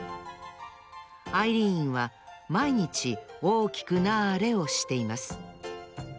アイリーンはまいにち「大きくなれ」をしています